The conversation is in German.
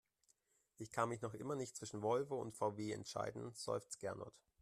Ich kann mich noch immer nicht zwischen Volvo und VW entscheiden, seufzt Gernot.